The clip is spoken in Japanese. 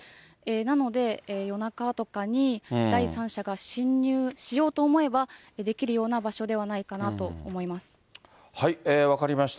なので、夜中とかに第三者が侵入しようと思えばできるような場所ではない分かりました。